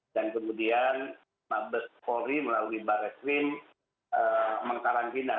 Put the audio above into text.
dan kemudian mabes polri melalui barres rim mengkarangkina